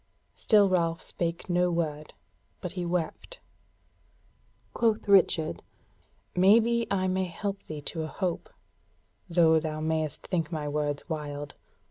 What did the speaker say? Still Ralph spake no word; but he wept. Quoth Richard: "Maybe I may help thee to a hope, though thou mayest think my words wild.